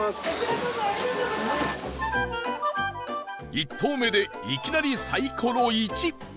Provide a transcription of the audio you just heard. １投目でいきなりサイコロ「１」